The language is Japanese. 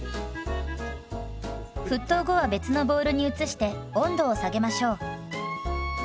沸騰後は別のボウルに移して温度を下げましょう。